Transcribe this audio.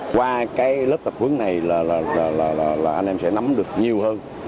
qua lớp tập hướng này anh em sẽ nắm được nhiều hơn